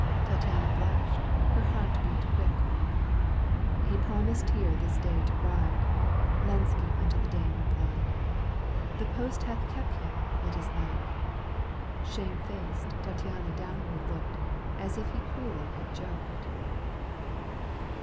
— Tattiana blushed, her heart beat quick — "He promised here this day to ride," x; Lenski unto the dame replied, " The post hath kept him, it is like." Shamefaced, Tattiana downward looked As if he cruelly had joked